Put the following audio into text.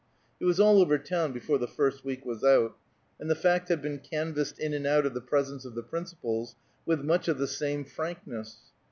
It was all over town before the first week was out, and the fact had been canvassed in and out of the presence of the principals, with much the same frankness.